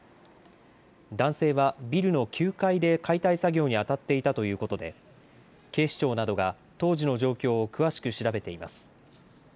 男性はビルの９階で解体作業に当たっていたということで警視庁などが当時の状況を詳しく調べています。